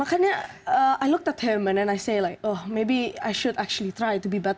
makanya saya melihatnya dan saya bilang mungkin saya harus berusaha untuk menjadi lebih baik